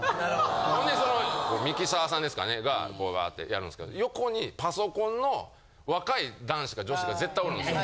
ほんでミキサーさんですかねがこうワッてやるんですけど横にパソコンの若い男子か女子が絶対おるんですよ。